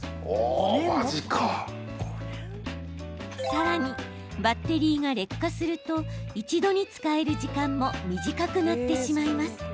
さらにバッテリーが劣化すると一度に使える時間も短くなってしまいます。